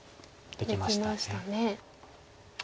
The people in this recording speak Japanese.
できました。